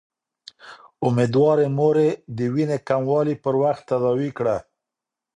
اميدوارې مورې، د وينې کموالی پر وخت تداوي کړه